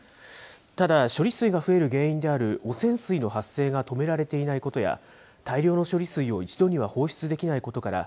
ただ、処理水が増える原因である汚染水の発生が止められていないことや、大量の処理水を一度には放出できないことから、